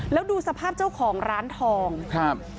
แล้วดูสภาพเจ้าของร้านทองครับ